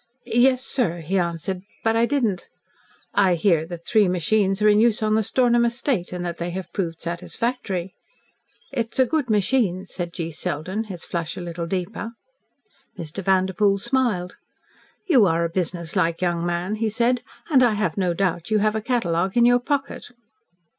"Yes, sir," he answered, "but I didn't " "I hear that three machines are in use on the Stornham estate, and that they have proved satisfactory." "It's a good machine," said G. Selden, his flush a little deeper. Mr. Vanderpoel smiled. "You are a business like young man," he said, "and I have no doubt you have a catalogue in your pocket."